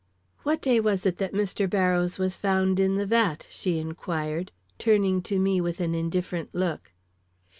"What day was it that Mr. Barrows was found in the vat?" she inquired, turning to me with an indifferent look.